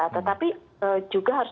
tetapi juga harus